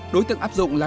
đối tượng áp dụng là